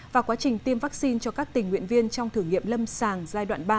và quá trình tiêm vaccine cho các tình nguyện viên trong thử nghiệm lâm sàng giai đoạn ba